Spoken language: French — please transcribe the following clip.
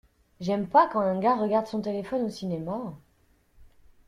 J'aime pas quand un gars regarde son téléphone au cinéma.